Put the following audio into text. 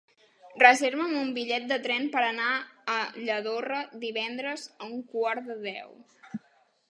Reserva'm un bitllet de tren per anar a Lladorre divendres a un quart de deu.